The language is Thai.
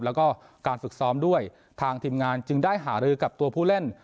แล้วก็การฝึกซ้อมด้วยทางทีมงานจึงได้หารือกับตัวผู้เล่น